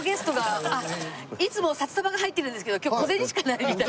いつも札束が入ってるんですけど今日小銭しかないみたい。